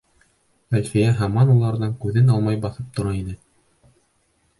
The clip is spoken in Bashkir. Әлфиә һаман уларҙан күҙен алмай баҫып тора ине.